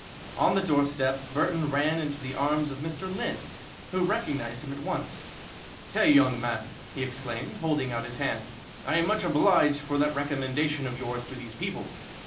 On the doorstep, Burton ran into the arms of Mr. Lynn, who recognized him at once. "Say, young man," he exclaimed, holding out his hand, "I am much obliged for that recommendation of yours to these people!